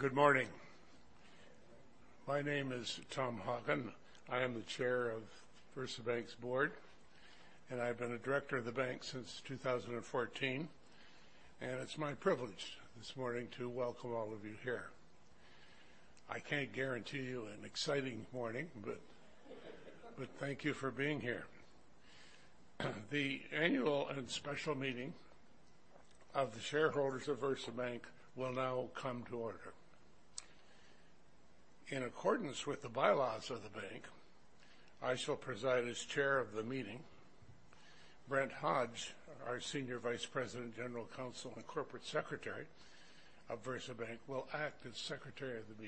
Good morning. My name is Tom Hockin. I am the chair of VersaBank's board. I've been a director of the bank since 2014. It's my privilege this morning to welcome all of you here. I can't guarantee you an exciting morning. Thank you for being here. The annual and special meeting of the shareholders of VersaBank will now come to order. In accordance with the bylaws of the bank, I shall preside as chair of the meeting. Brent Hodge, our Senior Vice President, General Counsel, and Corporate Secretary of VersaBank, will act as Secretary of the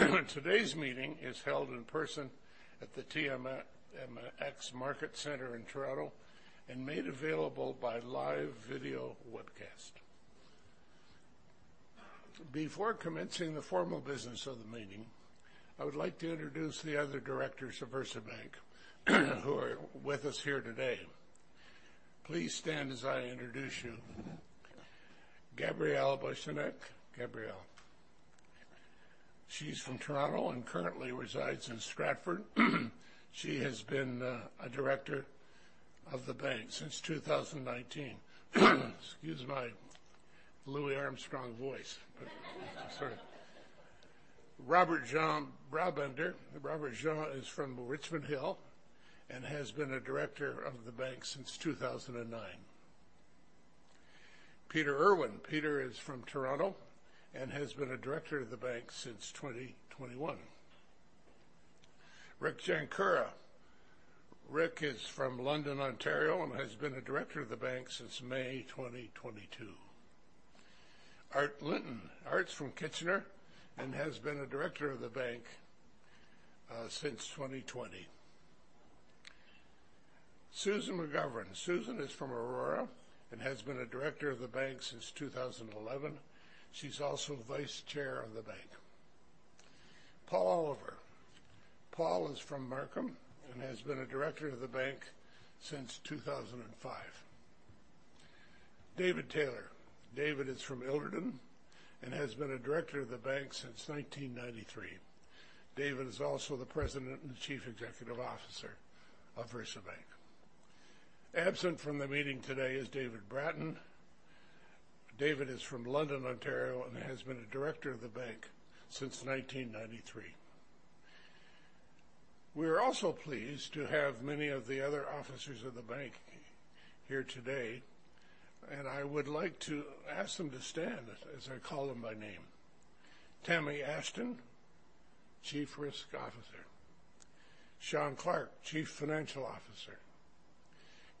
meeting. Today's meeting is held in person at the TMX Market Center in Toronto and made available by live video webcast. Before commencing the formal business of the meeting, I would like to introduce the other directors of VersaBank who are with us here today. Please stand as I introduce you. Gabrielle Bochynek. Gabrielle. She's from Toronto and currently resides in Stratford. She has been a director of the bank since 2019. Excuse my Louis Armstrong voice. Sorry. Robbert-Jan Brabander. Robbert-Jan is from Richmond Hill and has been a director of the bank since 2009. Peter Irwin. Peter is from Toronto and has been a director of the bank since 2021. Richard Jankura. Richard is from London, Ontario, and has been a director of the bank since May 2022. Arthur Linton. Arthur's from Kitchener and has been a director of the bank since 2020. Susan McGovern. Susan is from Aurora and has been a director of the bank since 2011. She's also vice chair of the bank. Paul G. Oliver. Paul is from Markham and has been a director of the bank since 2005. David Taylor. David is from Alderton and has been a director of the bank since 1993. David is also the President and Chief Executive Officer of VersaBank. Absent from the meeting today is David Bratton. David is from London, Ontario, and has been a director of the bank since 1993. We're also pleased to have many of the other officers of the bank here today, and I would like to ask them to stand as I call them by name. Tammie Ashton, Chief Risk Officer. Shawn Clarke, Chief Financial Officer.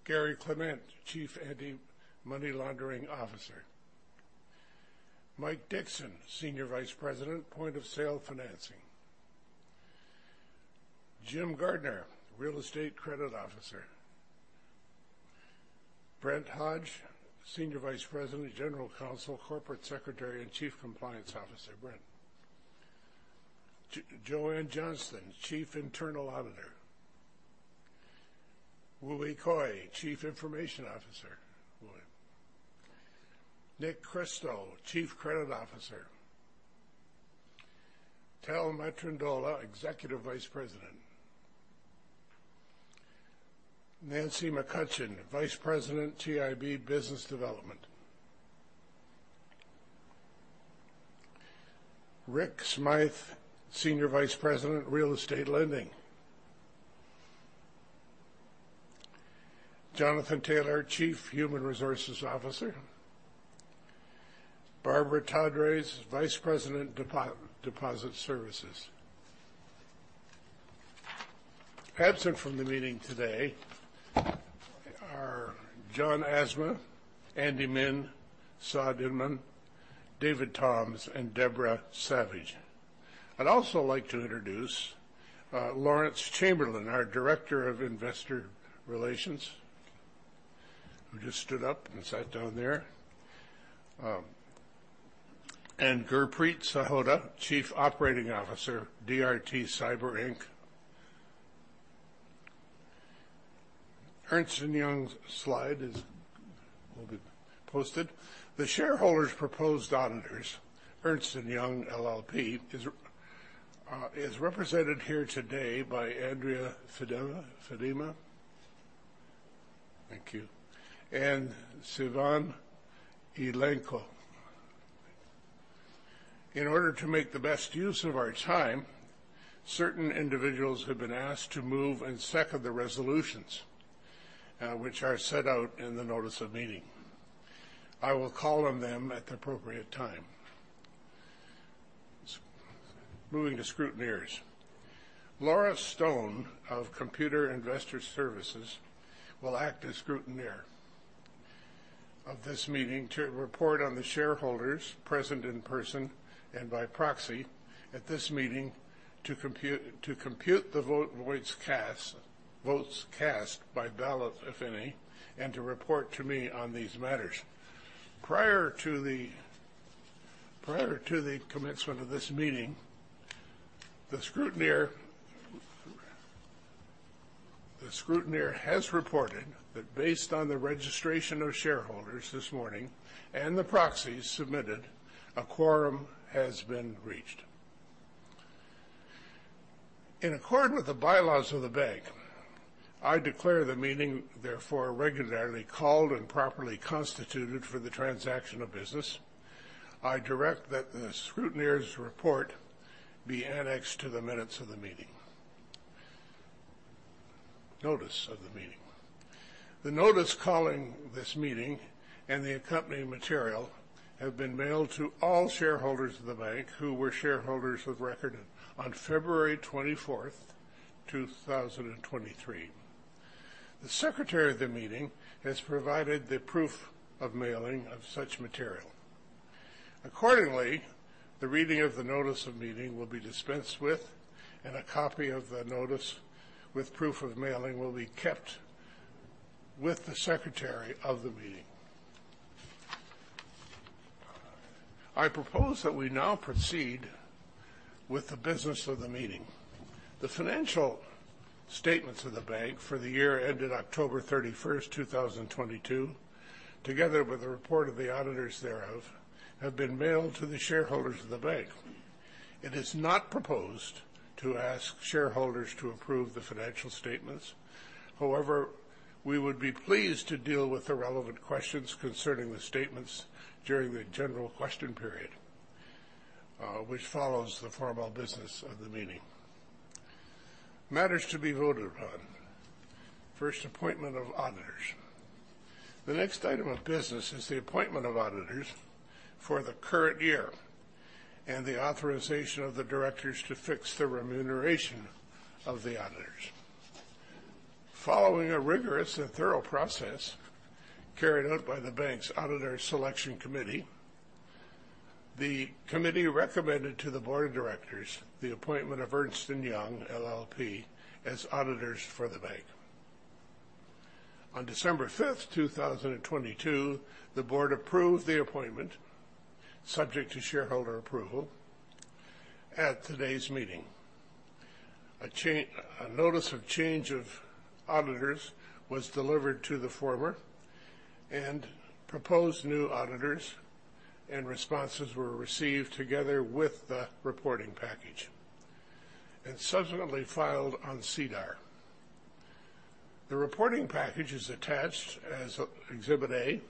Garry Clement, Chief Anti-Money Laundering Officer. Mike Dixon, Senior Vice President, Point of Sale Financing. Jim Gardner, Real Estate Credit Officer. Brent Hodge, Senior Vice President, General Counsel, Corporate Secretary, and Chief Compliance Officer. Brent. Joanne Johnston, Chief Internal Auditor. Wooi Koay, Chief Information Officer. Nick Krystal, Chief Credit Officer. Tel Matrundola, Executive Vice President. Nancy McCutcheon, Vice President, TIB Business Development. Rick Smyth, Senior Vice President, Real Estate Lending. Jonathan Taylor, Chief Human Resources Officer. Barbara Todres, Vice President Deposit Services. Absent from the meeting today are John Asma, Andy Min, Saad Inam, David Toms, and Deborah Savage. I'd also like to introduce Lawrence Chamberlain, our Director of Investor Relations, who just stood up and sat down there. Gurpreet Sahota, Chief Operating Officer, DRT Cyber Inc. Ernst & Young will be posted. The shareholders' proposed auditors, Ernst & Young LLP, is represented here today by Andrea Feddema. Thank you. And Sivan Ilenko. In order to make the best use of our time, certain individuals have been asked to move and second the resolutions, which are set out in the notice of meeting. I will call on them at the appropriate time. Moving to scrutineers. Laura Stone of Computershare Investor Services will act as scrutineer of this meeting to report on the shareholders present in person and by proxy at this meeting to compute the vote, votes cast by ballot, if any, and to report to me on these matters. Prior to the commencement of this meeting, the scrutineer has reported that based on the registration of shareholders this morning and the proxies submitted, a quorum has been reached. In accord with the bylaws of the bank, I declare the meeting therefore regularly called and properly constituted for the transaction of business. I direct that the scrutineer's report be annexed to the minutes of the meeting. Notice of the meeting. The notice calling this meeting and the accompanying material have been mailed to all shareholders of the bank who were shareholders of record on February 24th, 2023. The secretary of the meeting has provided the proof of mailing of such material. The reading of the notice of meeting will be dispensed with, and a copy of the notice with proof of mailing will be kept with the secretary of the meeting. I propose that we now proceed with the business of the meeting. The financial statements of the bank for the year ended October 31st, 2022, together with the report of the auditors thereof, have been mailed to the shareholders of the bank. It is not proposed to ask shareholders to approve the financial statements. However, we would be pleased to deal with the relevant questions concerning the statements during the general question period, which follows the formal business of the meeting. Matters to be voted upon. First, appointment of auditors. The next item of business is the appointment of auditors for the current year and the authorization of the directors to fix the remuneration of the auditors. Following a rigorous and thorough process carried out by the bank's Auditor Selection Committee, the Committee recommended to the board of directors the appointment of Ernst & Young LLP as auditors for the bank. On December 5, 2022, the board approved the appointment subject to shareholder approval at today's meeting. A notice of change of auditors was delivered to the former and proposed new auditors, and responses were received together with the reporting package and subsequently filed on SEDAR. The reporting package is attached as Exhibit A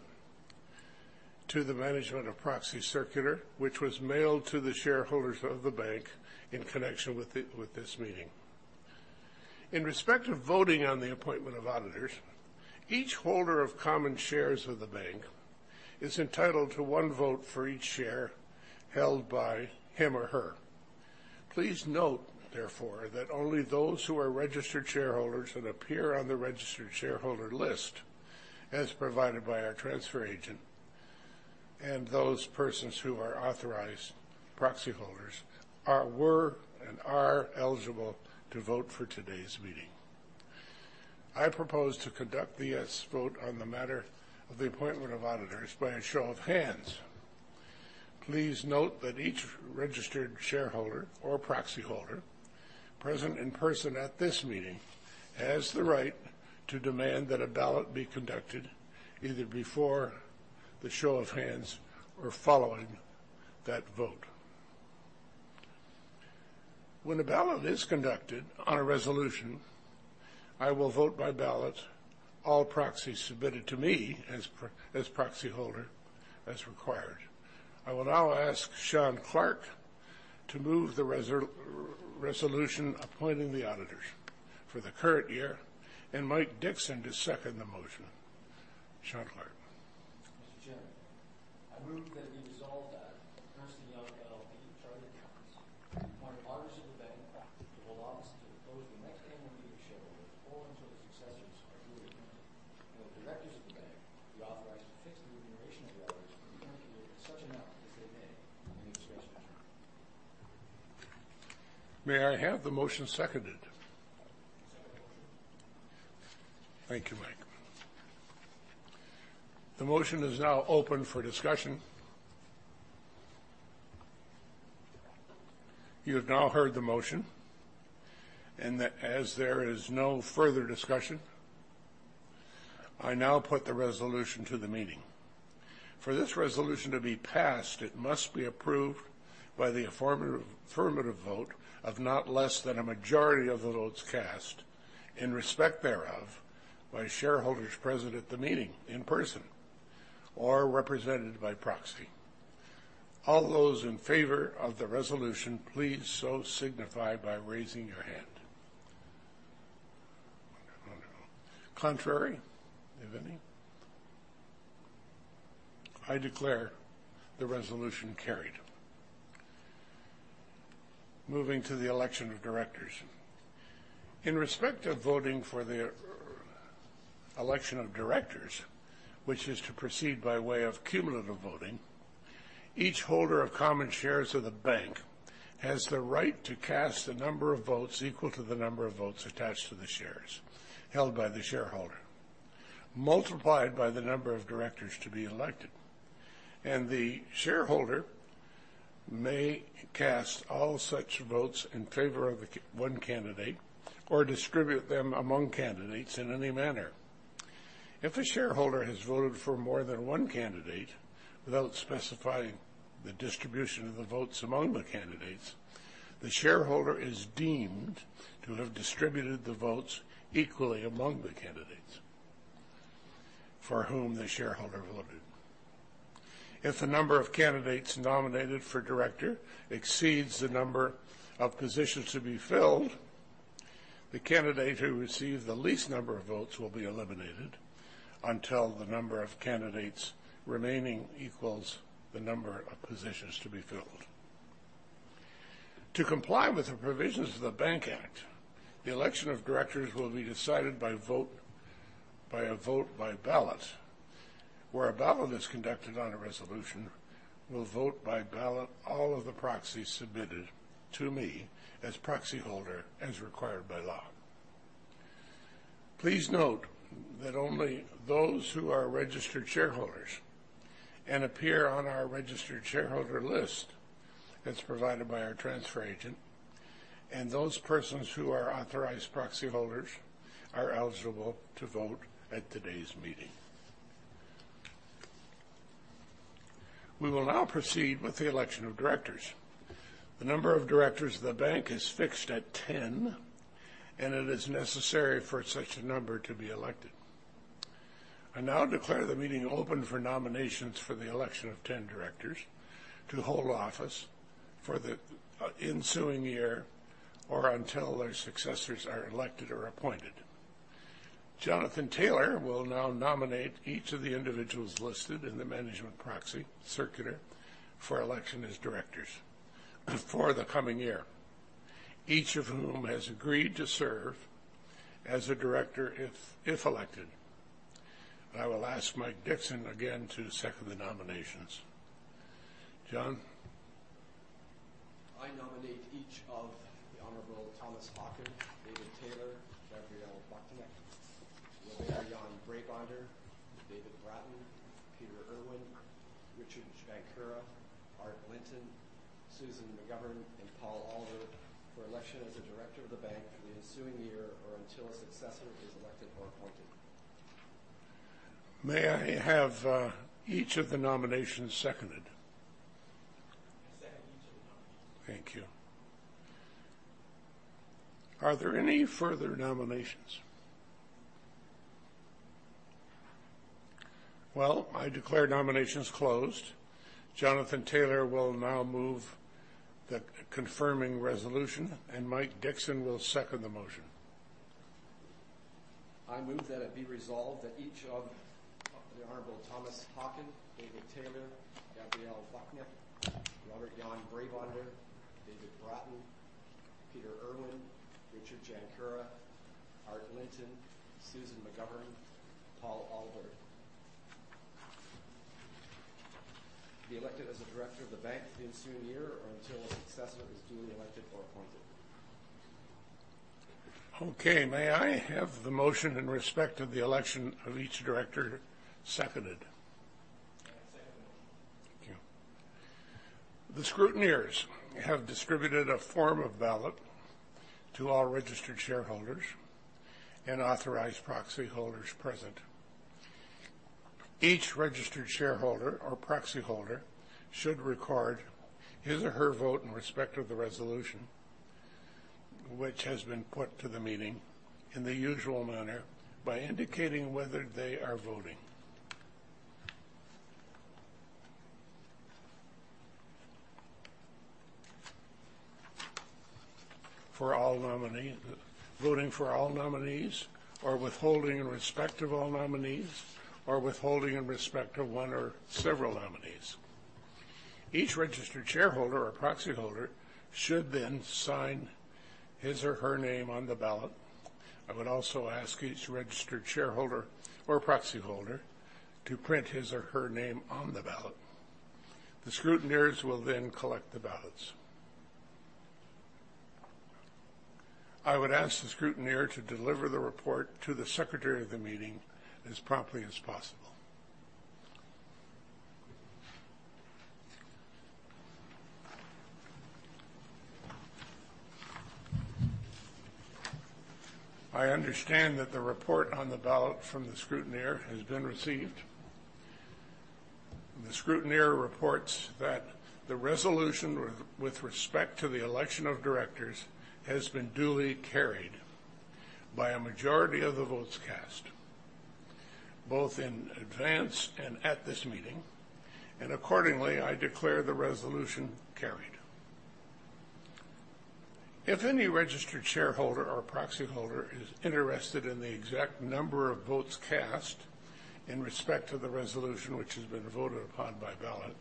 to the management of proxy circular, which was mailed to the shareholders of the bank in connection with this meeting. In respect of voting on the appointment of auditors, each holder of common shares of the bank is entitled to 1 vote for each share held by him or her. Please note, therefore, that only those who are registered shareholders and appear on the registered shareholder list, as provided by our transfer agent, and those persons who are authorized proxy holders are eligible to vote for today's meeting. I propose to conduct the as vote on the matter of the appointment of auditors by a show of hands. Please note that each registered shareholder or proxyholder present in person at this meeting has the right to demand that a ballot be conducted either before the show of hands or following that vote. When a ballot is conducted on a resolution, I will vote by ballot all proxies submitted to me as proxyholder as required. I will now ask Shawn Clarke to move the resolution appointing the auditors for the current year and Mike Dixon to second the motion. Shawn Clarke. Mr. Chairman, I move that it be resolved that Ernst & Young LLP, Chartered Accountants, are auditors of the bank to hold office to the close of the next annual meeting of shareholders or until their successors are duly appointed, and the directors of the bank be authorized to fix the remuneration of the auditors for the current year at such amount as they may in the administration determine. May I have the motion seconded? Second the motion. Thank you, Mike. The motion is now open for discussion. You have now heard the motion, and that as there is no further discussion, I now put the resolution to the meeting. For this resolution to be passed, it must be approved by the affirmative vote of not less than a majority of the votes cast in respect thereof by shareholders present at the meeting in person or represented by proxy. All those in favor of the resolution, please so signify by raising your hand. Wonderful. Contrary, if any. I declare the resolution carried. Moving to the election of directors. In respect of voting for the election of directors, which is to proceed by way of cumulative voting, each holder of common shares of the bank has the right to cast the number of votes equal to the number of votes attached to the shares held by the shareholder, multiplied by the number of directors to be elected. The shareholder May cast all such votes in favor of one candidate or distribute them among candidates in any manner. If a shareholder has voted for more than one candidate without specifying the distribution of the votes among the candidates, the shareholder is deemed to have distributed the votes equally among the candidates for whom the shareholder voted. If the number of candidates nominated for director exceeds the number of positions to be filled, the candidate who received the least number of votes will be eliminated until the number of candidates remaining equals the number of positions to be filled. To comply with the provisions of the Bank Act, the election of directors will be decided by a vote by ballot, where a ballot is conducted on a resolution will vote by ballot all of the proxies submitted to me as proxyholder as required by law. Please note that only those who are registered shareholders and appear on our registered shareholder list that's provided by our transfer agent and those persons who are authorized proxyholders are eligible to vote at today's meeting. We will now proceed with the election of directors. The number of directors of the bank is fixed at 10. It is necessary for such a number to be elected. I now declare the meeting open for nominations for the election of 10 directors to hold office for the ensuing year or until their successors are elected or appointed. Jonathan Taylor will now nominate each of the individuals listed in the management proxy circular for election as directors for the coming year, each of whom has agreed to serve as a director if elected. I will ask Mike Dixon again to second the nominations. John. I nominate each of the Honorable Thomas Hockin, David Taylor, Gabrielle Bochynek, Robbert-Jan Brabander, David Bratton, Peter Irwin, Richard Jankura, Art Linton, Susan McGovern, and Paul Oliver for election as a director of the bank for the ensuing year or until a successor is elected or appointed. May I have each of the nominations seconded? I second each of the nominations. Thank you. Are there any further nominations? Well, I declare nominations closed. Jonathan Taylor will now move the confirming resolution, and Mike Dixon will second the motion. I move that it be resolved that each of the Honorable Thomas Hockin, David Taylor, Gabrielle Bochynek, Robbert-Jan Brabander, David Bratton, Peter Irwin, Richard Jankura, Art Linton, Susan McGovern, Paul Oliver be elected as a director of the bank for the ensuing year or until a successor is duly elected or appointed. Okay, may I have the motion in respect of the election of each director seconded? I second the motion. Thank you. The scrutineers have distributed a form of ballot to all registered shareholders and authorized proxyholders present. Each registered shareholder or proxyholder should record his or her vote in respect of the resolution, which has been put to the meeting in the usual manner by indicating whether they are voting for all nominees or withholding in respect of all nominees or withholding in respect of one or several nominees. Each registered shareholder or proxyholder should then sign his or her name on the ballot. I would also ask each registered shareholder or proxyholder to print his or her name on the ballot. The scrutineers will then collect the ballots. I would ask the scrutineer to deliver the report to the secretary of the meeting as promptly as possible. I understand that the report on the ballot from the scrutineer has been received. The scrutineer reports that the resolution with respect to the election of directors has been duly carried by a majority of the votes cast, both in advance and at this meeting. Accordingly, I declare the resolution carried. If any registered shareholder or proxyholder is interested in the exact number of votes cast in respect to the resolution which has been voted upon by ballot,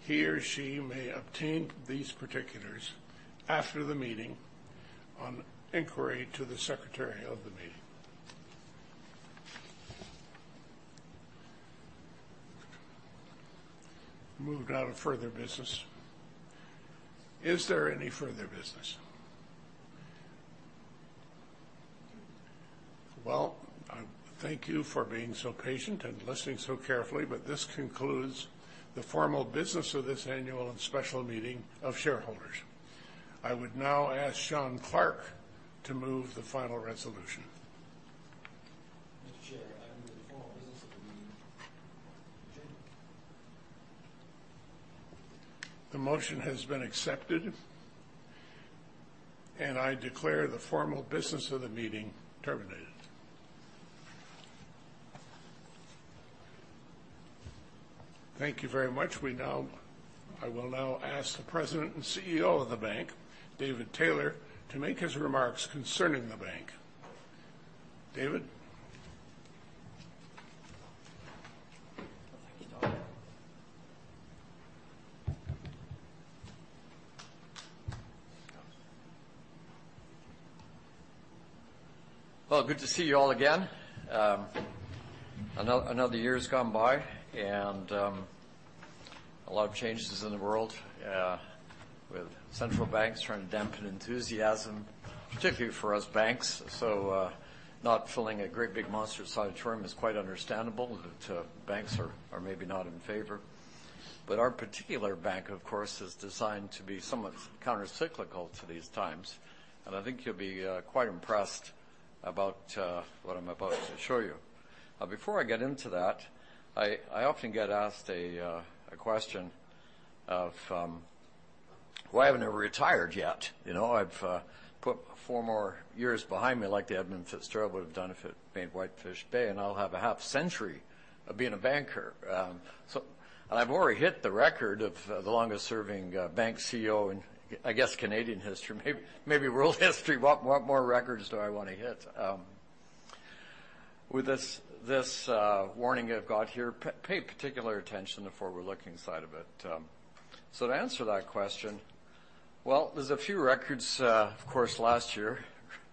he or she may obtain these particulars after the meeting on inquiry to the secretary of the meeting. Move now to further business. Is there any further business? Well, I thank you for being so patient and listening so carefully, but this concludes the formal business of this annual and special meeting of shareholders. I would now ask Shawn Clarke to move the final resolution. Mr. Chair, I move the formal business of the meeting. The motion has been accepted, I declare the formal business of the meeting terminated. Thank you very much. I will now ask the President and CEO of the bank, David Taylor, to make his remarks concerning the bank. David? Good to see you all again. Another year has gone by, and a lot of changes in the world, with central banks trying to dampen enthusiasm, particularly for U.S. banks. Not filling a great big monster-sized term is quite understandable that banks are maybe not in favor. Our particular Bank, of course, is designed to be somewhat countercyclical to these times, and I think you'll be quite impressed about what I'm about to show you. Before I get into that, I often get asked a question of why I haven't retired yet. You know, I've put four more years behind me like the Edmund Fitzgerald would have done if it paint Whitefish Bay, and I'll have a half century of being a banker. I've already hit the record of the longest serving bank CEO in, I guess, Canadian history, maybe world history. What more records do I wanna hit? With this warning I've got here, pay particular attention to the forward-looking side of it. To answer that question, well, there's a few records, of course, last year,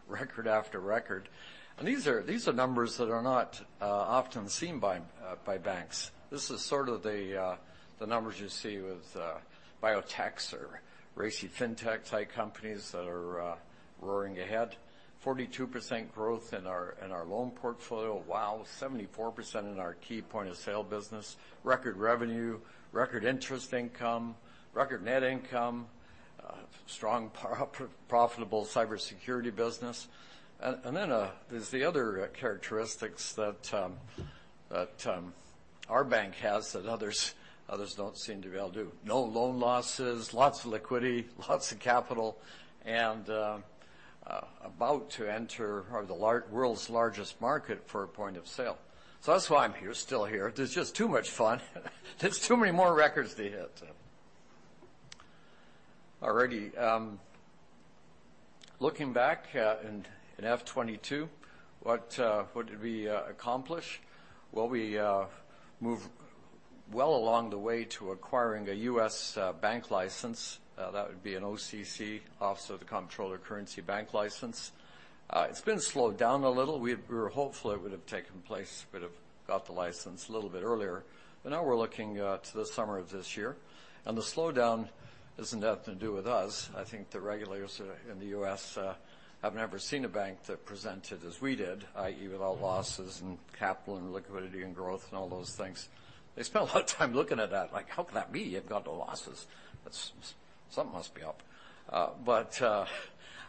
record after record. These are numbers that are not often seen by banks. This is sort of the numbers you see with biotechs or racy fintech type companies that are roaring ahead. 42% growth in our loan portfolio. Wow, 74% in our key point of sale business. Record revenue, record interest income, record net income, strong profitable cybersecurity business. There's the other characteristics that our bank has that others don't seem to be able to do. No loan losses, lots of liquidity, lots of capital, and about to enter the world's largest market for a point of sale. That's why I'm here, still here. There's just too much fun. There's too many more records to hit. Looking back in F 2022, what did we accomplish? Well, we moved well along the way to acquiring a U.S. bank license. That would be an OCC, Office of the Comptroller of the Currency, bank license. It's been slowed down a little. We were hopeful it would have taken place, we'd have got the license a little bit earlier. Now we're looking to the summer of this year, and the slowdown isn't having to do with us. I think the regulators in the U.S. have never seen a bank that presented as we did, i.e. without losses and capital and liquidity and growth and all those things. They spent a lot of time looking at that like, "How can that be? You've got no losses. Something must be up."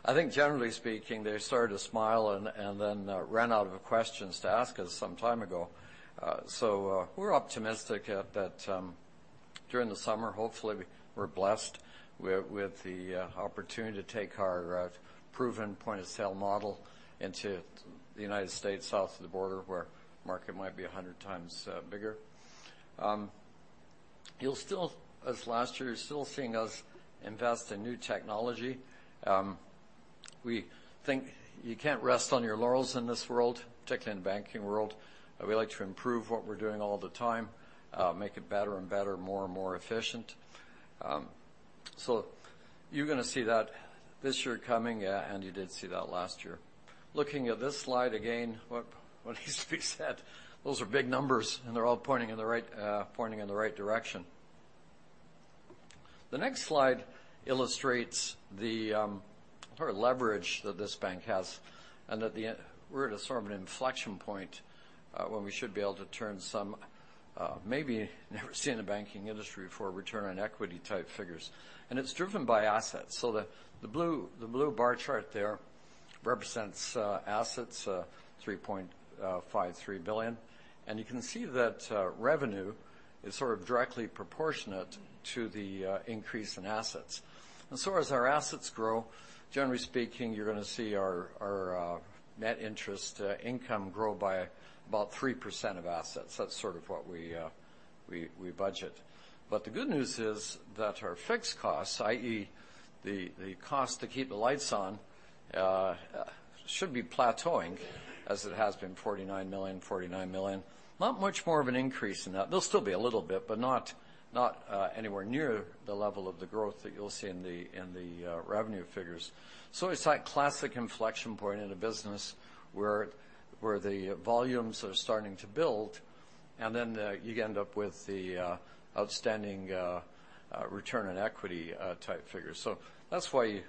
I think generally speaking, they started to smile and then ran out of questions to ask us some time ago. We're optimistic at that, during the summer, hopefully, we're blessed with the opportunity to take our proven point of sale model into the United States, south of the border, where market might be 100 times bigger. You'll still, as last year, you're still seeing us invest in new technology. We think you can't rest on your laurels in this world, particularly in the banking world. We like to improve what we're doing all the time, make it better and better, more and more efficient. You're gonna see that this year coming, and you did see that last year. Looking at this slide again, what needs to be said, those are big numbers, and they're all pointing in the right direction. The next slide illustrates the sort of leverage that this bank has. We're at a sort of an inflection point when we should be able to turn some maybe never seen in the banking industry before, return on equity type figures, and it's driven by assets. The blue bar chart there represents assets, 3.53 billion. You can see that revenue is sort of directly proportionate to the increase in assets. As our assets grow, generally speaking, you're gonna see our net interest income grow by about 3% of assets. That's sort of what we budget. The good news is that our fixed costs, i.e. the cost to keep the lights on, should be plateauing as it has been 49 million. Not much more of an increase in that. There'll still be a little bit, but not anywhere near the level of the growth that you'll see in the revenue figures. It's that classic inflection point in a business where the volumes are starting to build, you end up with the outstanding return on equity type figures. That's why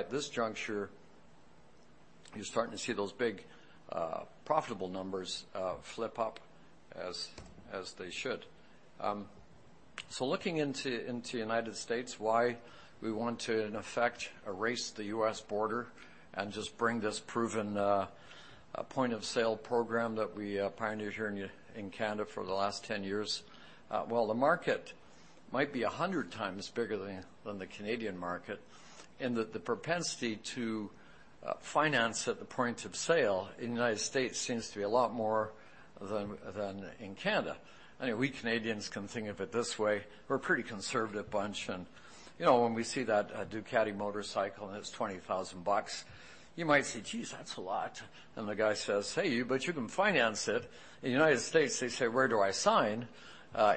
you're starting to see those big profitable numbers flip up as they should. Looking into United States, why we want to in effect erase the U.S. border and just bring this proven point-of-sale program that we pioneered here in Canada for the last 10 years. The market might be 100 times bigger than the Canadian market, and the propensity to finance at the point of sale in the United States seems to be a lot more than in Canada. Anyway, we Canadians can think of it this way. We're a pretty conservative bunch, you know, when we see that Ducati motorcycle and it's $20,000, you might say, "Geez, that's a lot." The guy says, "Hey, but you can finance it." In the United States, they say, "Where do I sign?"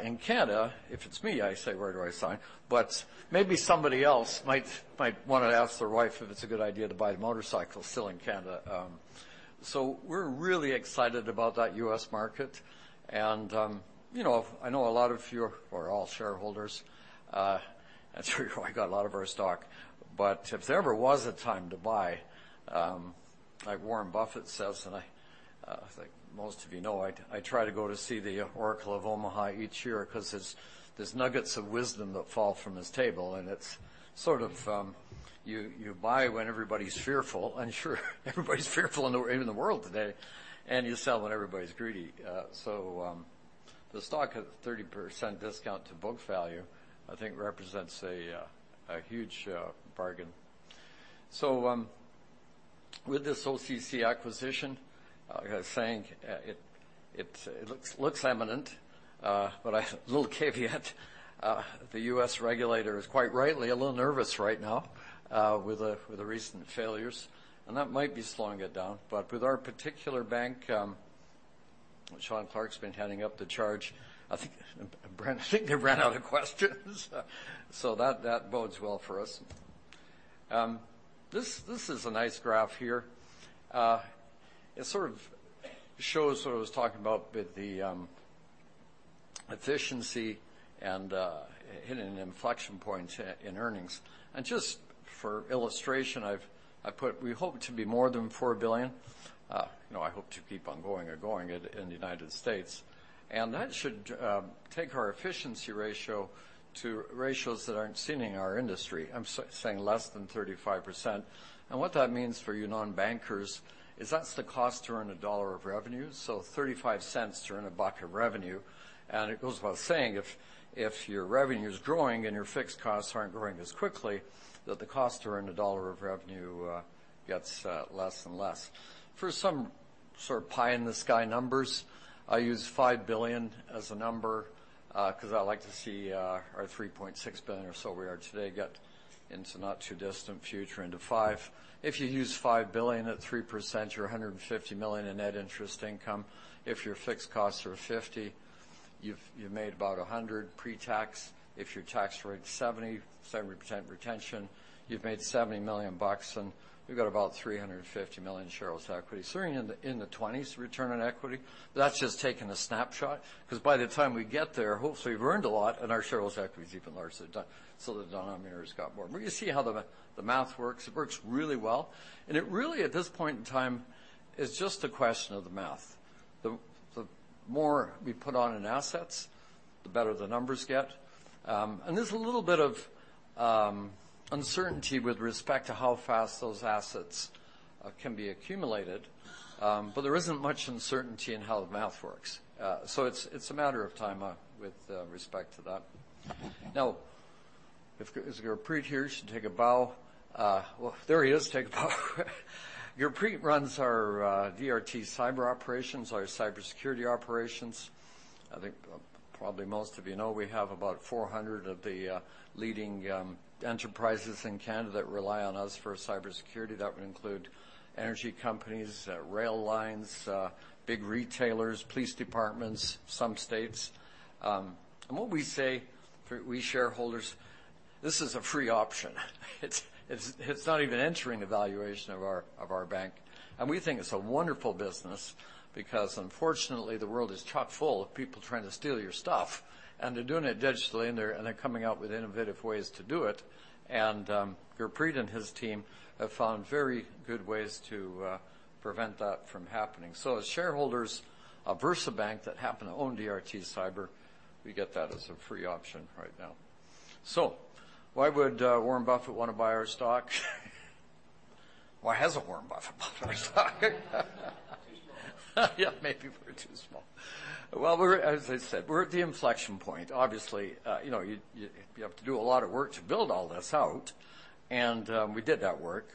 In Canada, if it's me, I say, "Where do I sign?" Maybe somebody else might wanna ask their wife if it's a good idea to buy a motorcycle still in Canada. We're really excited about that US market and, you know, I know a lot of you are all shareholders. That's where I got a lot of our stock. If there ever was a time to buy, like Warren Buffett says, and I think most of you know, I try to go to see the Oracle of Omaha each year cause there's nuggets of wisdom that fall from his table, and it's sort of, you buy when everybody's fearful. Sure, everybody's fearful in the world today, and you sell when everybody's greedy. The stock at 30% discount to book value, I think represents a huge bargain. With this OCC acquisition saying it looks eminent, little caveat, the U.S. regulator is quite rightly a little nervous right now with the recent failures, and that might be slowing it down. With our particular bank, Shawn Clarke's been heading up the charge. I think they've ran out of questions, so that bodes well for us. This is a nice graph here. It sort of shows what I was talking about with the efficiency and hitting an inflection point in earnings. Just for illustration, I've put... We hope to be more than $4 billion. You know, I hope to keep on going and going in the United States, and that should take our efficiency ratio to ratios that aren't seen in our industry. I'm saying less than 35%. What that means for you non-bankers is that's the cost to earn $1 of revenue, so $0.35 to earn a buck of revenue. It goes without saying, if your revenue's growing and your fixed costs aren't growing as quickly, that the cost to earn a dollar of revenue gets less and less. For some sort of pie-in-the-sky numbers, I use 5 billion as a number, 'cause I like to see our 3.6 billion or so we are today get into not too distant future into 5 billion. If you use 5 billion at 3% or 150 million in net interest income, if your fixed costs are 50 million, you've made about 100 million pre-tax. If your tax rate is 70% retention, you've made 70 million bucks, and we've got about 350 million shareholders' equity. You're in the 20s return on equity. That's just taking a snapshot, 'cause by the time we get there, hopefully, we've earned a lot and our shareholders' equity is even larger than, so the denominator's got more. You see how the math works. It works really well. It really, at this point in time, is just a question of the math. The more we put on in assets, the better the numbers get. There's a little bit of uncertainty with respect to how fast those assets can be accumulated. There isn't much uncertainty in how the math works. It's a matter of time with respect to that. Now, if Gurpreet is here, he should take a bow. Well, there he is. Take a bow. Gurpreet runs our DRT cyber operations, our cybersecurity operations. I think, probably most of you know, we have about 400 of the leading enterprises in Canada that rely on us for cybersecurity. That would include energy companies, rail lines, big retailers, police departments, some states. What we say through we shareholders, this is a free option. It's not even entering the valuation of our bank. We think it's a wonderful business because unfortunately, the world is chock-full of people trying to steal your stuff, and they're doing it digitally, and they're coming out with innovative ways to do it. Gurpreet and his team have found very good ways to prevent that from happening. As shareholders of VersaBank that happen to own DRT Cyber, we get that as a free option right now. Why would Warren Buffett wanna buy our stock? Why hasn't Warren Buffett bought our stock? Too small. Yeah, maybe we're too small. Well, we're, as I said, we're at the inflection point. Obviously, you know, you have to do a lot of work to build all this out, and we did that work.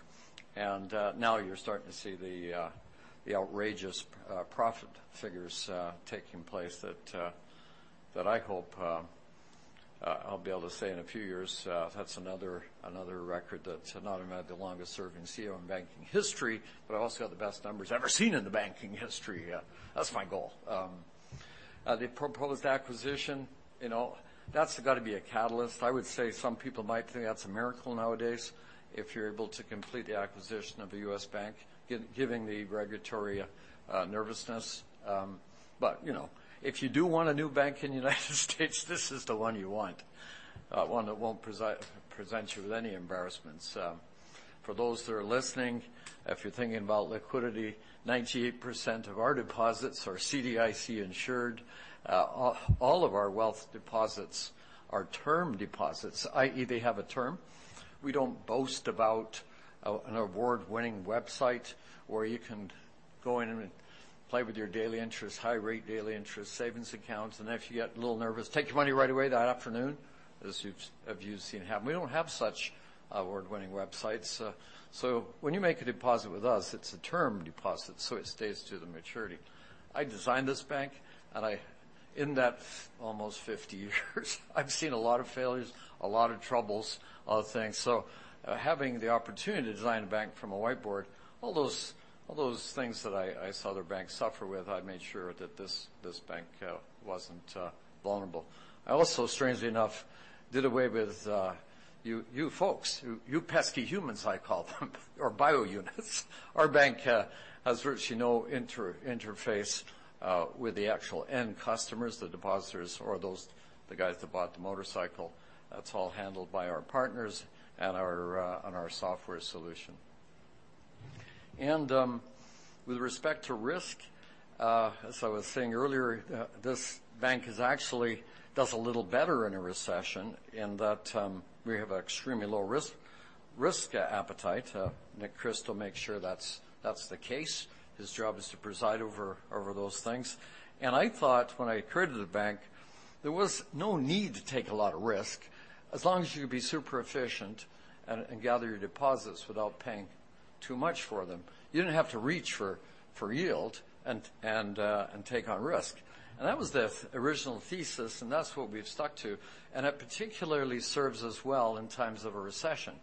Now you're starting to see the outrageous profit figures taking place that I hope I'll be able to say in a few years, that's another record that not only am I the longest serving CEO in banking history, but I also got the best numbers ever seen in the banking history. That's my goal. The proposed acquisition, you know, that's got to be a catalyst. I would say some people might think that's a miracle nowadays if you're able to complete the acquisition of a U.S. bank giving the regulatory nervousness. You know, if you do want a new bank in United States, this is the one you want. One that won't present you with any embarrassments. For those that are listening, if you're thinking about liquidity, 98% of our deposits are CDIC insured. All of our wealth deposits are term deposits, i.e., they have a term. We don't boast about an award-winning website where you can go in and play with your daily interest, high rate daily interest savings accounts, and if you get a little nervous, take your money right away that afternoon, as you've seen happen. We don't have such award-winning websites. When you make a deposit with us, it's a term deposit, so it stays to the maturity. I designed this bank, and I in that almost 50 years, I've seen a lot of failures, a lot of troubles, a lot of things. Having the opportunity to design a bank from a whiteboard, all those things that I saw the bank suffer with, I made sure that this bank wasn't vulnerable. I also, strangely enough, did away with you folks, you pesky humans, I call them, or bio units. Our bank has virtually no inter-interface with the actual end customers, the depositors or the guys that bought the motorcycle. That's all handled by our partners and our on our software solution. With respect to risk, as I was saying earlier, this bank is actually does a little better in a recession in that we have extremely low risk appetite. Nick Crystal makes sure that's the case. His job is to preside over those things. I thought when I created the bank, there was no need to take a lot of risk as long as you could be super efficient and gather your deposits without paying too much for them. You didn't have to reach for yield and take on risk. That was the original thesis, and that's what we've stuck to. It particularly serves us well in times of a recession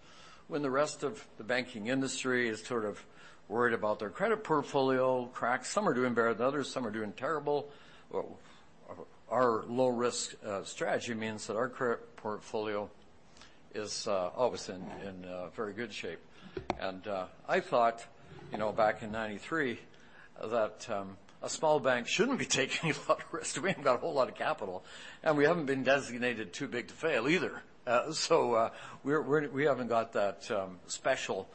when the rest of the banking industry is sort of worried about their credit portfolio cracks. Some are doing better than others, some are doing terrible. Our low risk strategy means that our credit portfolio is always in very good shape. I thought, you know, back in 1993 that a small bank shouldn't be taking a lot of risk. We ain't got a whole lot of capital. We haven't been designated too big to fail either. We haven't got that special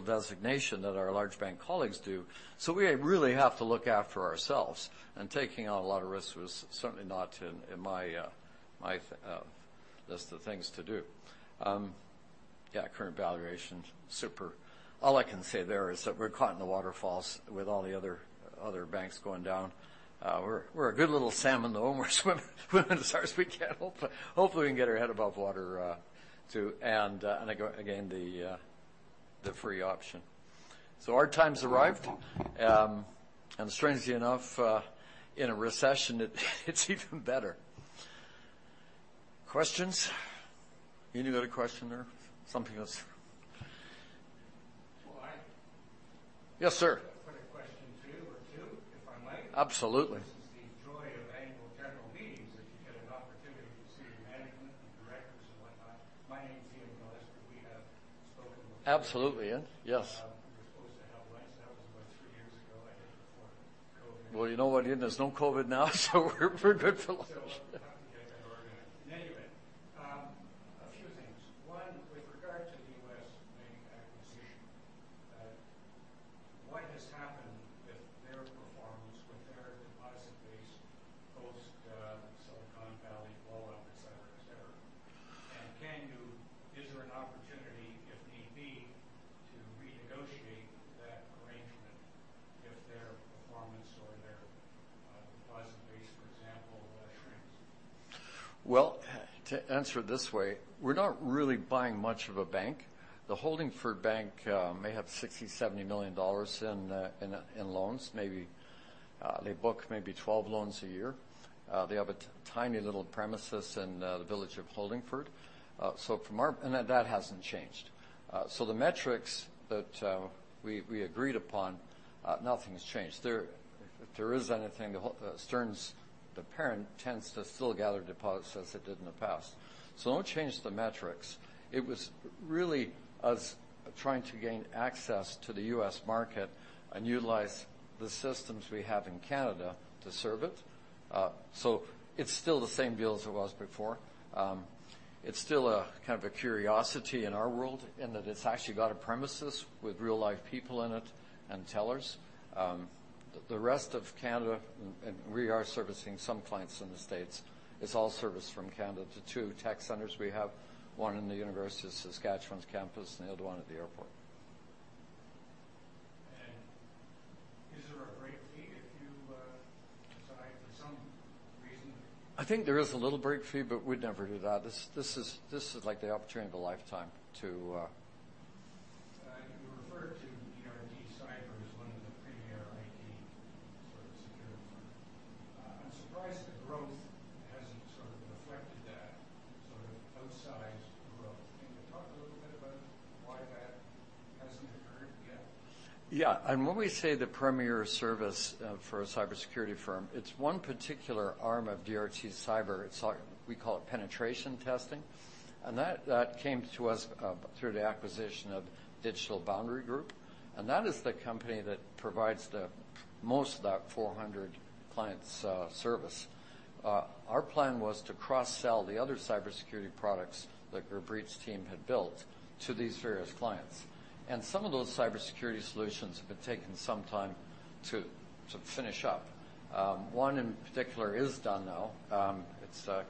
designation that our large bank colleagues do. We really have to look after ourselves. Taking on a lot of risk was certainly not in my list of things to do. Yeah, current valuation, super. All I can say there is that we're caught in the waterfalls with all the other banks going down. We're a good little salmon, though, and we're swimming as hard as we can. Hopefully, we can get our head above water, too, and again, the free option. Our time's arrived. Strangely enough, in a recession, it's even better. Questions? You got a question there? Something else. Well, Yes, sir. I've got a question to you or two, if I may. Absolutely. This is the joy of annual general meetings, that you get an opportunity to see your management and directors and whatnot. My name is Ian Miller. We have spoken before. Absolutely, Ian. Yes. We were supposed to have lunch. That was about three years ago, I think, before the COVID. You know what, Ian, there's no COVID now, so we're good for lunch. We'll have to get that organized. In any event, a few things. One, with regard to the U.S. banking acquisition, what has happened with their performance, with their deposit base post Silicon Valley fallout, et cetera, et cetera? Is there an opportunity, if need be, to renegotiate that arrangement if their performance or their deposit base, for example, shrinks? To answer it this way, we're not really buying much of a bank. The Holdingford Bank may have $60 million-$70 million in loans. Maybe they book maybe 12 loans a year. They have a tiny little premises in the village of Holdingford. And that hasn't changed. The metrics that we agreed upon, nothing's changed. There, if there is anything, the Stearns, the parent, tends to still gather deposits as it did in the past. Don't change the metrics. It was really us trying to gain access to the U.S. market and utilize the systems we have in Canada to serve it. It's still the same deal as it was before. It's still a kind of a curiosity in our world in that it's actually got a premises with real life people in it and tellers. The rest of Canada, and we are servicing some clients in the States. It's all serviced from Canada to two tech centers. We have 1 in the University of Saskatchewan's campus and the other one at the airport. Is there a break fee if you, decide for some reason- I think there is a little break fee. We'd never do that. This is like the opportunity of a lifetime. You referred to DRT Cyber as one of the premier IT sort of security firms. I'm surprised the growth hasn't sort of reflected that outsized growth. Can you talk a little bit about why that hasn't occurred yet? Yeah. When we say the premier service for a cybersecurity firm, it's one particular arm of DRT Cyber. It's like... We call it penetration testing. That came to us through the acquisition of Digital Boundary Group, and that is the company that provides the most of that 400 clients service. Our plan was to cross-sell the other cybersecurity products that Gurpreet's team had built to these various clients. Some of those cybersecurity solutions have been taking some time to finish up. One in particular is done now. It's a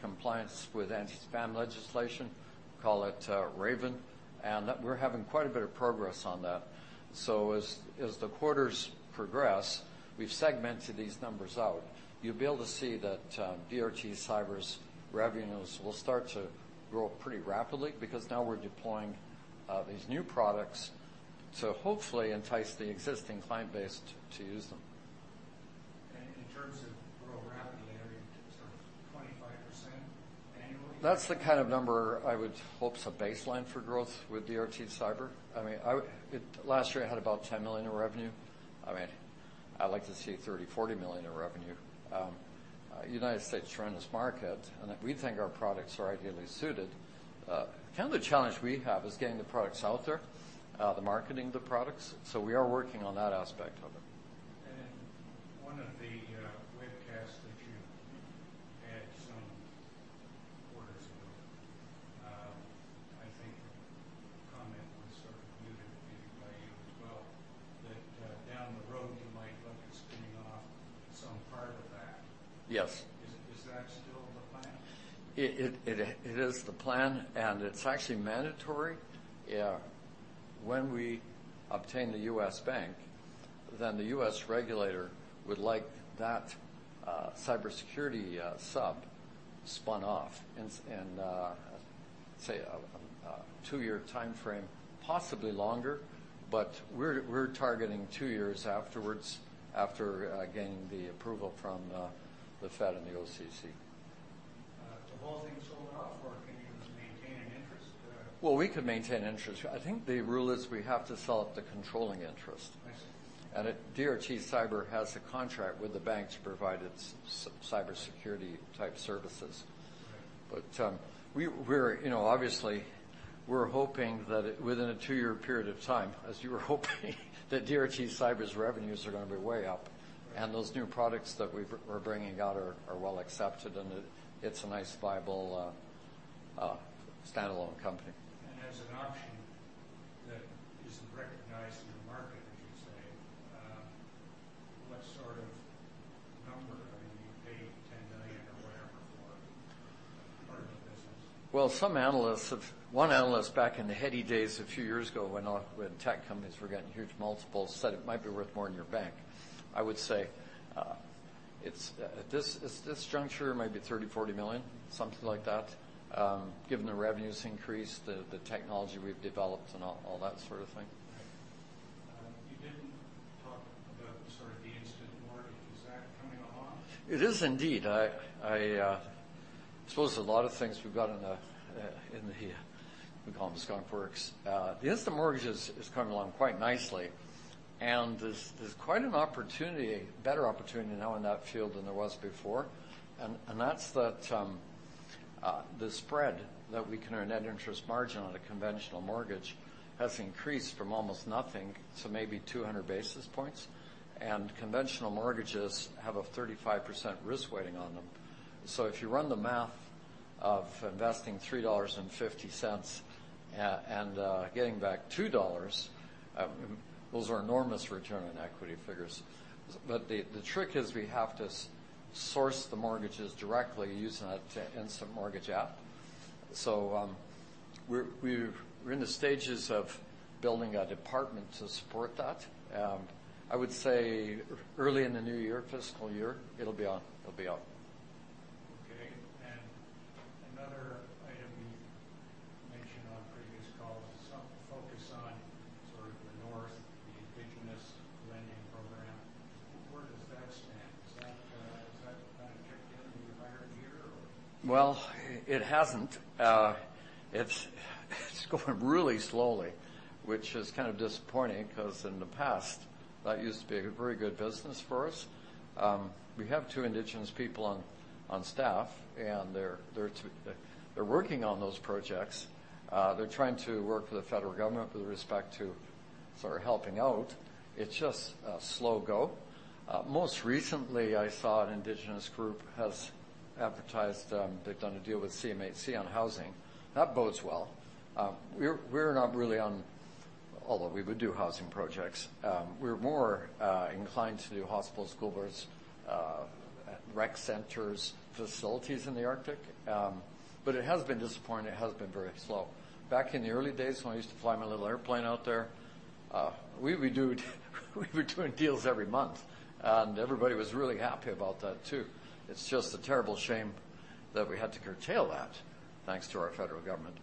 compliance with anti-spam legislation. We call it Raven. That we're having quite a bit of progress on that. As the quarters progress, we've segmented these numbers out. You'll be able to see that, DRT Cyber's revenues will start to grow pretty rapidly because now we're deploying these new products to hopefully entice the existing client base to use them. In terms of grow rapidly, are you in terms of 25% annually? That's the kind of number I would hope is a baseline for growth with DRT Cyber. I mean, Last year, it had about $10 million in revenue. I mean, I'd like to see $30 million-$40 million in revenue. United States is a tremendous market, and we think our products are ideally suited. kind of the challenge we have is getting the products out there, the marketing of the products, so we are working on that aspect of it. One of the webcasts that you had some quarters ago, I think the comment was sort of muted, maybe by you as well, that down the road, you might look at spinning off some part of that. Yes. Is that still the plan? It is the plan. It's actually mandatory. When we obtain the U.S. bank, the U.S. regulator would like that cybersecurity sub spun off in, say, a two-year timeframe, possibly longer. We're targeting two years afterwards after getting the approval from the Fed and the OCC. The whole thing sold off or can you just maintain an interest? Well, we could maintain interest. I think the rule is we have to sell off the controlling interest. I see. If DRT Cyber has a contract with the bank to provide its cybersecurity type services. Right. We're, you know, obviously we're hoping that within a two-year period of time, as you were hoping, that DRT Cyber's revenues are gonna be way up. Yeah. Those new products that we're bringing out are well accepted, and it's a nice viable standalone company. As an option that isn't recognized in the market, as you say, what sort of number? I mean, you paid $10 million or whatever for part of the business. Some analysts have... One analyst back in the heady days a few years ago when tech companies were getting huge multiples said it might be worth more than your bank. I would say, at this juncture, it might be $30 million-$40 million, something like that, given the revenues increase, the technology we've developed, and all that sort of thing. You didn't talk about the sort of the instant mortgage. Is that coming along? It is indeed. I suppose there's a lot of things we've got in the. We call them skunk works. The instant mortgages is coming along quite nicely. There's quite an opportunity, better opportunity now in that field than there was before. That's that, the spread that we can earn at interest margin on a conventional mortgage has increased from almost nothing to maybe 200 basis points. Conventional mortgages have a 35% risk weighting on them. If you run the math of investing $3.50 and getting back $2, those are enormous return on equity figures. The trick is we have to source the mortgages directly using an instant mortgage app. We're in the stages of building a department to support that. I would say early in the new year, fiscal year, it'll be on. It'll be on. Okay. Another item you mentioned on previous calls, some focus on sort of the North, the indigenous lending program, where does that stand? Is that, is that kind of kicked in the higher gear or? Well, it hasn't. It's going really slowly, which is kind of disappointing 'cause, in the past, that used to be a very good business for us. We have two indigenous people on staff, and they're working on those projects. They're trying to work with the federal government with respect to sort of helping out. It's just a slow go. Most recently, I saw an indigenous group has advertised. They've done a deal with CMHC on housing. That bodes well. We're not really on... Although we would do housing projects, we're more inclined to do hospitals, school boards, rec centers, facilities in the Arctic. It has been disappointing. It has been very slow. Back in the early days when I used to fly my little airplane out there, we'd be doing deals every month. Everybody was really happy about that too. It's just a terrible shame that we had to curtail that, thanks to our federal government.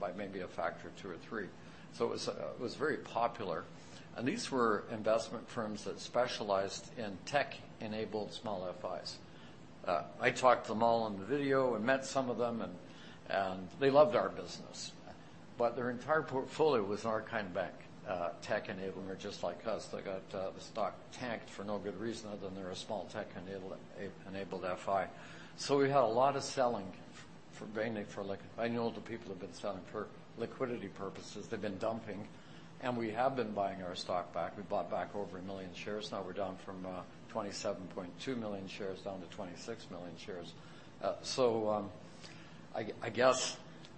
by maybe a factor of two or three. It was very popular. These were investment firms that specialized in tech-enabled small FIs. I talked to them all on the video and met some of them, and they loved our business. Their entire portfolio was our kind of bank, tech enabler, just like us. They got the stock tanked for no good reason other than they're a small tech enabled FI. We had a lot of selling for mainly for I know the people have been selling for liquidity purposes. They've been dumping. We have been buying our stock back. We bought back over 1 million shares. Now we're down from 27.2 million shares down to 26 million shares. I guess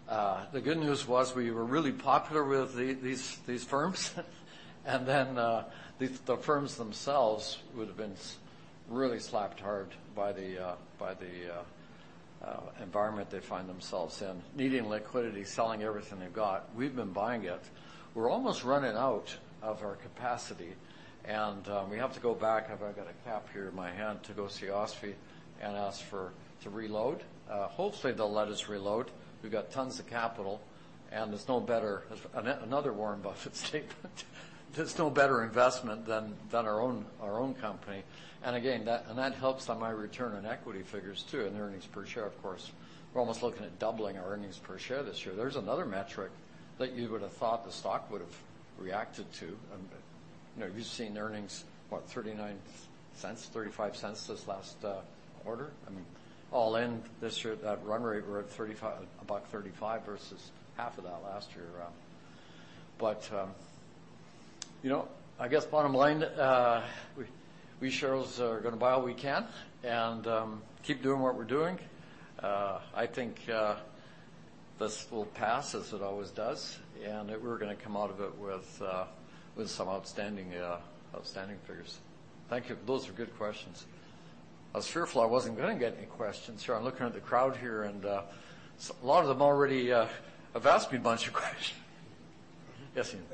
the good news was we were really popular with these firms. The firms themselves would have been really slapped hard by the environment they find themselves in. Needing liquidity, selling everything they've got. We've been buying it. We're almost running out of our capacity. We have to go back, I've got a cap here in my hand to go see OSFI and ask for to reload. Hopefully they'll let us reload. We've got tons of capital, and there's no better another Warren Buffett statement. There's no better investment than our own company. Again, that, and that helps on my return on equity figures too, and earnings per share, of course. We're almost looking at doubling our earnings per share this year. There's another metric that you would have thought the stock would've reacted to. You know, you've seen earnings, what? 0.39, 0.35 this last quarter. I mean, all in this year, that run rate, we're at about 0.35 versus half of that last year around. You know, I guess bottom line, we sure as are gonna buy all we can and keep doing what we're doing. I think this will pass as it always does, and that we're gonna come out of it with some outstanding outstanding figures. Thank you. Those are good questions. I was fearful I wasn't gonna get any questions here. I'm looking at the crowd here, and a lot of them already have asked me a bunch of questions. Yes, Ian. Ian Noble. Just a quick question. The federal government's tax policies, on banks, will that have any bearing on your results?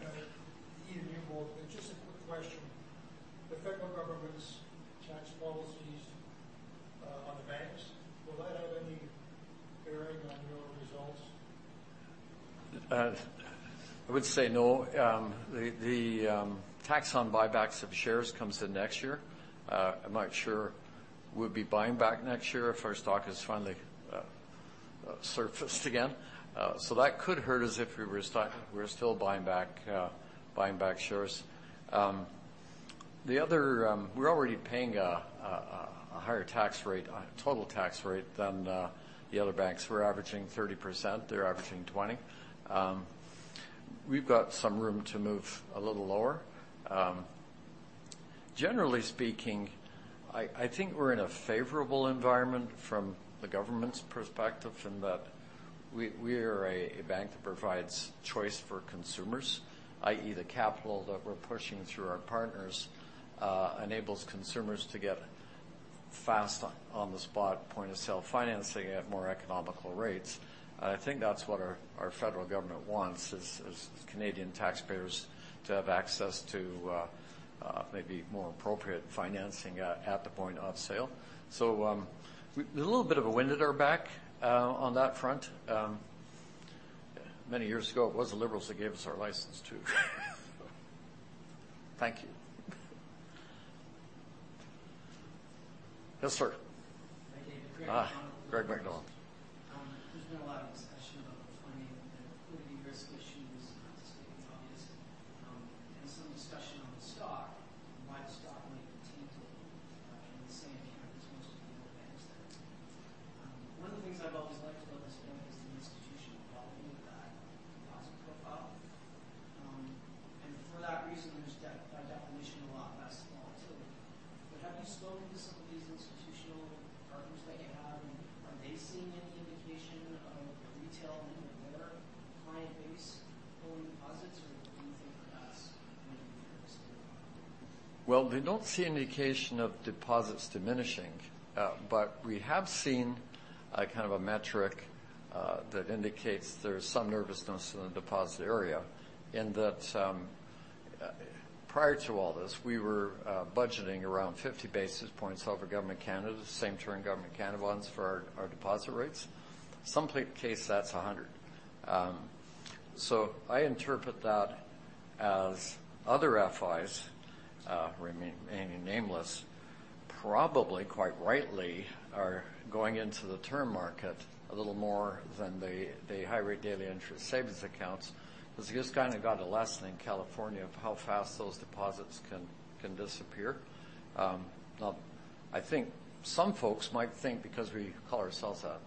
I would say no. The tax on buybacks of shares comes in next year. I'm not sure we'll be buying back next year if our stock has finally surfaced again. That could hurt us if we were still buying back shares. The other, we're already paying a higher tax rate, total tax rate than the other banks. We're averaging 30%, they're averaging 20%. We've got some room to move a little lower. Generally speaking, I think we're in a favorable environment from the government's perspective in that we are a bank that provides choice for consumers, i.e., the capital that we're pushing through our partners, enables consumers to get fast on the spot point-of-sale financing at more economical rates. I think that's what our federal government wants is Canadian taxpayers to have access to maybe more appropriate financing at the point of sale. There's a little bit of a wind at our back on that front. Many years ago, it was the Liberals that gave us our license too. Thank you. Yes, sir. Hi, David. Ah. Greg MacDonald. Greg MacDonald. There's been a lot of remaining nameless, probably quite rightly are going into the term market a little more than the high rate daily interest savings accounts, because you just kinda got a lesson in California of how fast those deposits can disappear. I think some folks might think because we call ourselves a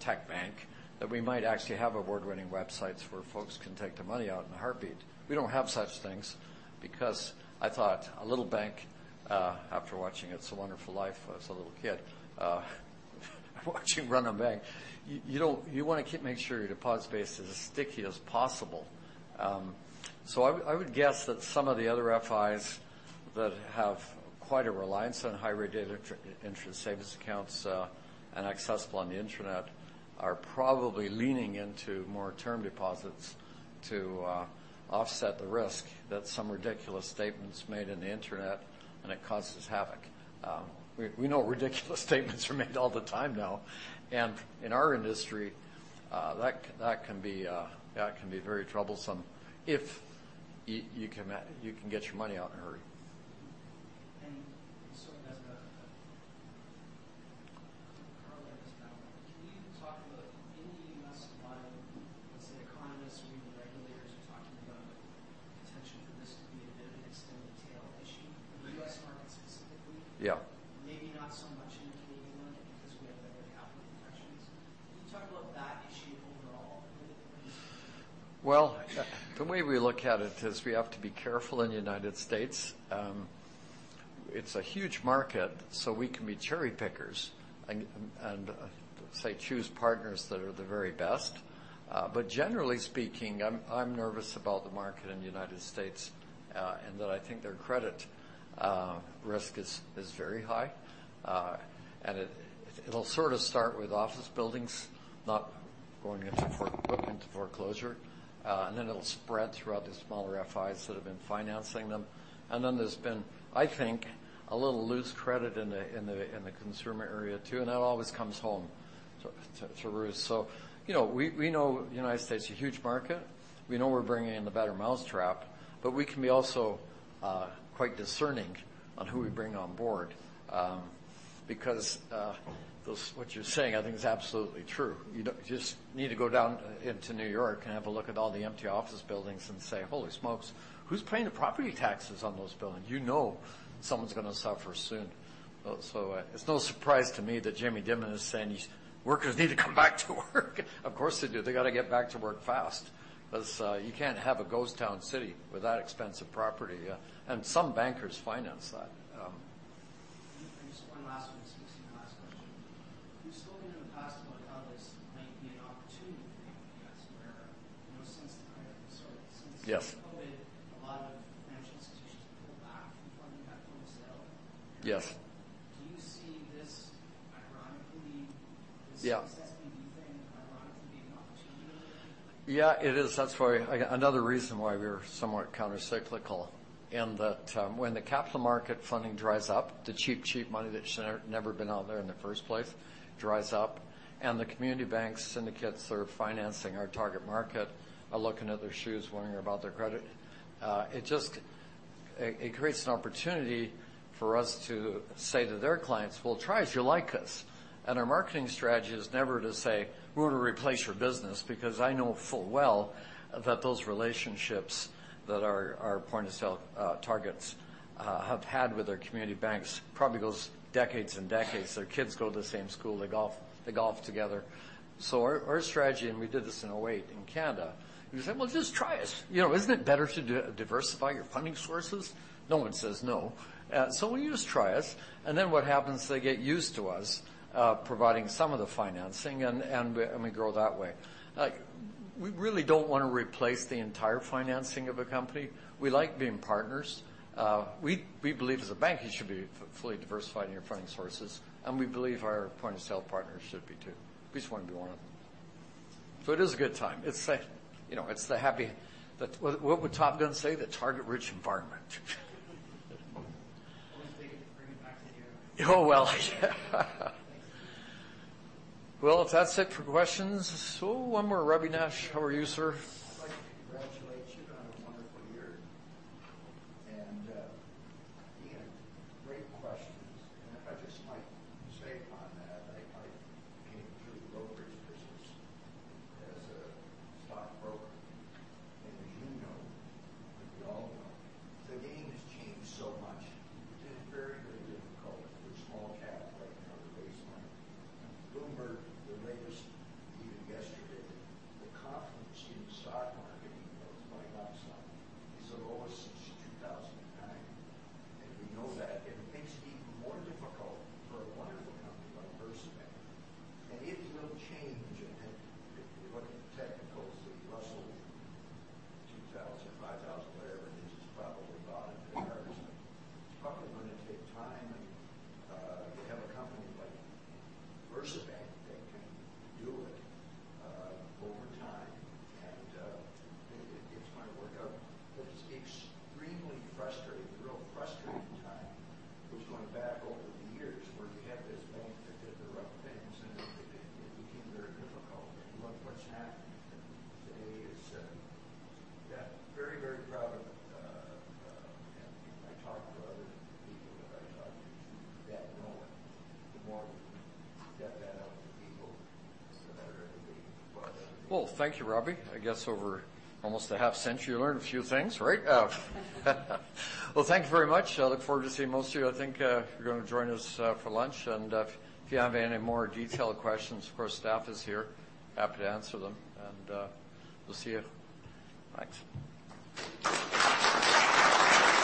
tech bank, that we might actually have award-winning websites where folks can take their money out in a heartbeat. We don't have such things because I thought a little bank, after watching It's A Wonderful Life when I was a little kid, watching Run a Bank, you don't you wanna keep make sure your deposit base is as sticky as possible. I would guess that some of the other FIs that have quite a reliance on high rate data interest savings accounts and accessible on the internet are probably leaning into more term deposits to offset the risk that some ridiculous statement's made on the internet, and it causes havoc. We, we know ridiculous statements are made all the time now. In our industry, that can be very troublesome if you can get your money out in a hurry. Sort of as a correlative now, can you talk about in the U.S. why, let's say, economists or even regulators are talking about the potential for this to be a bit of an extended tail issue in the U.S. market specifically? Yeah. Maybe not so much in the Canadian market because we have better capital protections. Can you talk about that issue overall? Well, the way we look at it is we have to be careful in United States. It's a huge market, so we can be cherry pickers and say, choose partners that are the very best. But generally speaking, I'm nervous about the market in the United States, and that I think their credit risk is very high. And it'll sort of start with office buildings not going into foreclosure. And then it'll spread throughout the smaller FIs that have been financing them. And then there's been, I think, a little loose credit in the consumer area, too. And that always comes home to roost. You know, we know the United States is a huge market. We know we're bringing in the better mousetrap, we can be also quite discerning on who we bring on board. What you're saying, I think is absolutely true. You just need to go down into New York and have a look at all the empty office buildings and say, "Holy smokes, who's paying the property taxes on those buildings?" You know someone's gonna suffer soon. It's no surprise to me that Jamie Dimon is saying these workers need to come back to work. Of course, they do. They gotta get back to work fast 'cause you can't have a ghost town city with that expensive property. Some bankers finance that. Just one last one. This is the last question. You've spoken in the past about how this might be an opportunity for you guys where, you know, since kind of- Yes. Since COVID, a lot of financial institutions pulled back from funding that point of sale. Yes. Do you see this ironically- Yeah. This SPV thing ironically being an opportunity? Yeah, it is. That's why another reason why we're somewhat countercyclical in that, when the capital market funding dries up, the cheap money that should never been out there in the first place dries up. The community banks syndicates that are financing our target market are looking at their shoes wondering about their credit. It creates an opportunity for us to say to their clients, "Well, try us. You'll like us." Our marketing strategy is never to say, "We're gonna replace your business," because I know full well that those relationships that our point of sale targets have had with their community banks probably goes decades and decades. Their kids go to the same school. They golf, they golf together. Our strategy, and we did this in 2008 in Canada, we said, "Well, just try us. You know, isn't it better to diversify your funding sources?" No one says no. We use try us, and then what happens? They get used to us, providing some of the financing and we grow that way. We really don't wanna replace the entire financing of a company. We like being partners. We believe as a bank, you should be fully diversified in your funding sources, and we believe our point of sale partners should be, too. We just wanna be one of them. It is a good time. It's a, you know, it's the happy-- What would Top Gun say? The target-rich environment. Always take it to bring it back to you. Oh, well. Well, if that's it for questions. One more. Robbie Nash. How are you, sir?